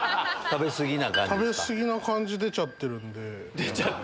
食べ過ぎな感じ出ちゃってる。